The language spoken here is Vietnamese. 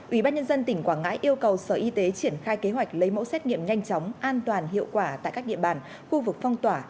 ubnd tỉnh quảng ngãi yêu cầu sở y tế triển khai kế hoạch lấy mẫu xét nghiệm nhanh chóng an toàn hiệu quả tại các địa bàn khu vực phong tỏa